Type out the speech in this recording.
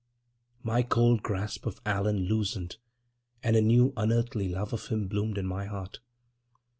My cold grasp of Allan loosened and a new unearthly love of him bloomed in my heart.